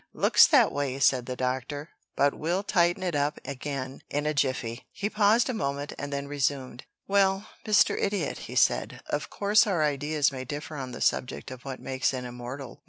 "Looks that way," said the Doctor, "but we'll tighten it up again in a jiffy." He paused a moment, and then resumed. "Well, Mr. Idiot," he said, "of course our ideas may differ on the subject of what makes an Immortal.